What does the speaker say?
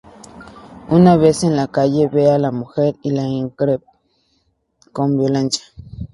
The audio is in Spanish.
Una vez en la calle, ve a la mujer y la increpa con violencia.